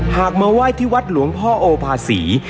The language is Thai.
หากมาว่ายที่วัดหลวงพ่ออพาศรี